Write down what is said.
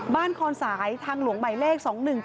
บ้านคอนสายทางหลวงใหม่เลข๒๑๗๘